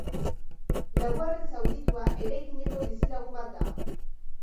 Laugarren zauritua eraikineko bizilagun bat da.